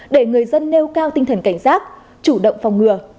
để người dân nêu cao tinh thần cảnh giác chủ động phòng ngừa